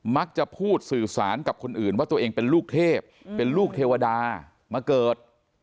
มักจะพูดสื่อสารกับคนอื่นว่าตัวเองเป็นลูกเทพเป็นลูกเทวดามาเกิด